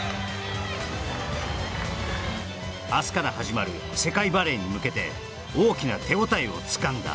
明日から始まる世界バレーに向けて大きな手応えをつかんだ